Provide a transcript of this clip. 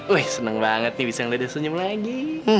wih seneng banget nih bisa ngeliat dia senyum lagi